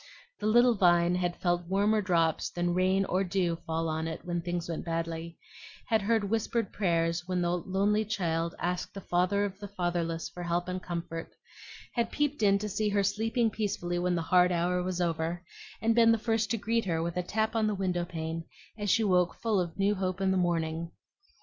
The little vine had felt warmer drops than rain or dew fall on it when things went badly, had heard whispered prayers when the lonely child asked the Father of the fatherless for help and comfort, had peeped in to see her sleeping peacefully when the hard hour was over, and been the first to greet her with a tap on the window pane as she woke full of new hope in the morning.